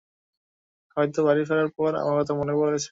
হয়তো বাড়ি ফেরার পর আমার কথা মনে পড়েছে।